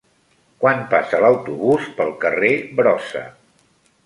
Quan passa l'autobús pel carrer Brossa?